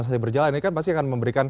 saya pikir masih di